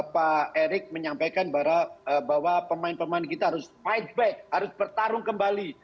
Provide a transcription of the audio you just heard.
pak erick menyampaikan bahwa pemain pemain kita harus bertarung kembali